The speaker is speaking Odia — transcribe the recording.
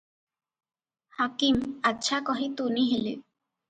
ହାକିମ 'ଆଚ୍ଛା' କହି ତୁନି ହେଲେ ।